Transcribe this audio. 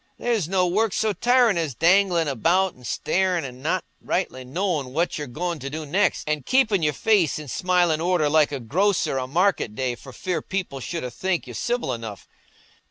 There's no work so tirin' as danglin' about an' starin' an' not rightly knowin' what you're goin' to do next; and keepin' your face i' smilin' order like a grocer o' market day for fear people shouldna think you civil enough.